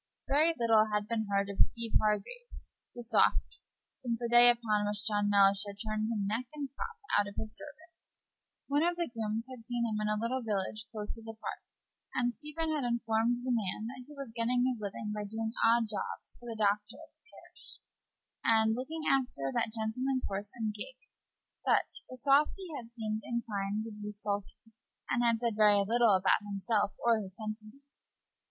Very little had been seen of Steeve Hargraves, the softy, since the day upon which John Mellish had turned him neck and crop out of his service. One of the grooms had seen him in a little village close to the Park, and Stephen had informed the man that he was getting his living by doing odd jobs for the doctor of the parish, and looking after that gentleman's horse and gig; but the softy had seemed inclined to be sulky, and had said very little about himself or his sentiments.